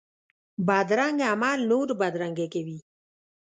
بدرنګه عمل نور بدرنګه کوي